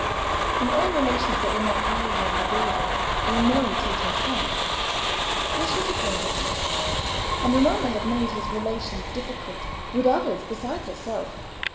From all relations that were not easy and agreeable, we know that Tito shrank: why should he cling to them? And Romola had made his relations difficult with others besides herself.